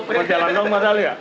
karena mau jalan dong padahal ya